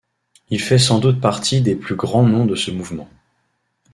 Il fait sans doute partie des plus grands noms de ce mouvement.